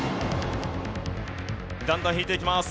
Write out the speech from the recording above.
だんだん引いていきます。